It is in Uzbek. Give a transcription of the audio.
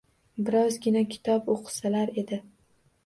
Birozgina kitob oʻqisalar edi.